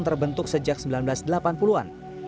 terbentuk sejak seribu sembilan ratus delapan puluh an